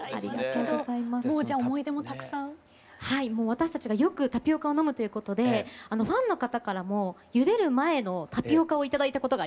私たちがよくタピオカを飲むということでファンの方からもゆでる前のタピオカを頂いたことがあります。